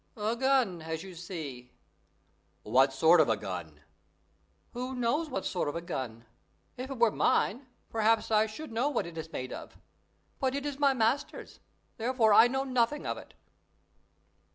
"A gun, as you see." "What sort of a gun?" "Who knows what sort of a gun? If it were mine, perhaps I should know what it is made of; but it is my master's, therefore I know nothing of it."